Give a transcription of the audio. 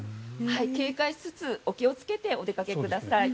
警戒しつつお気をつけてお過ごしください。